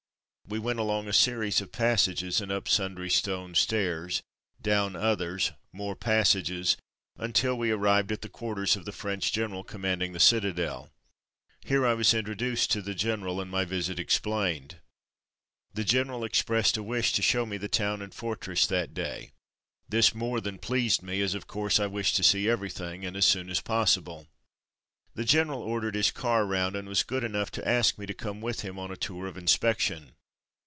We went along a series of passages and up sundry stone stairs, down others — more passages — until we arrived at the quarters of the French general commanding the citadel. Here I was introduced to the general, and my visit explained. The general expressed a wish to show me the town and fortress that day; this more than pleased me, as of course, I wished to see everything, and as soon as possible. The general ordered his car round and was good enough to ask me to come with him on a tour of inspection.